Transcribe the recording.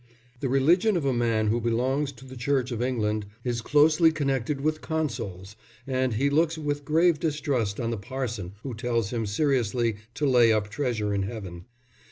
The religion of a man who belongs to the Church of England is closely connected with consols, and he looks with grave distrust on the parson who tells him seriously to lay up treasure in heaven."